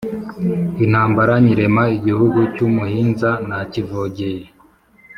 Intambara nyirema igihugu cy’ umuhinza nakivogeye